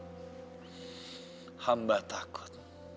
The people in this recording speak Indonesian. ya allah hamba takut